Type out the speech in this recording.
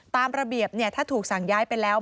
ตามระเบียบถ้าถูกสั่งย้ายไปแล้ว